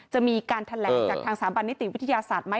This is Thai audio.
จะมีการแถลงจากทางสถาบันนิติวิทยาศาสตร์ไหม